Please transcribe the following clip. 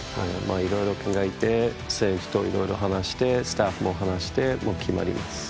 いろいろ考えて選手と、いろいろ話してスタッフとも話して決まります。